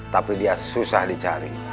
tapi dia susah dicari